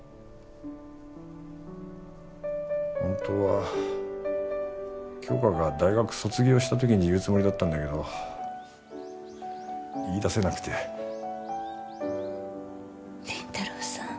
本当は杏花が大学卒業したときに言うつもりだったんだけど言い出せなくて林太郎さん